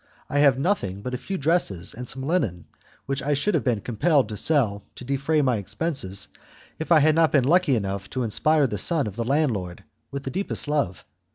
I have nothing but a few dresses and some linen, which I should have been compelled to sell to defray my expenses if I had not been lucky enough to inspire the son of the landlord with the deepest love.